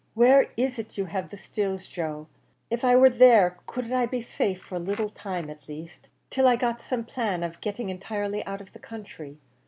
"Where is it you have the stills, Joe? Av I were there, couldn't I be safe, for a little time at laste, till I got some plan of getting entirely out of the counthry?